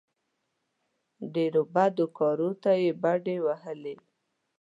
ډېرو بدو کارو ته یې بډې وهلې.